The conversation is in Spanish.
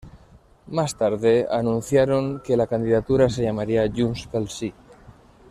Más tarde anunciaron que la candidatura se llamaría Junts pel Sí.